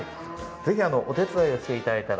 ぜひお手伝いをしていただいたら。